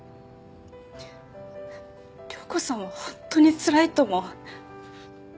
涼子さんは本当につらいと思う。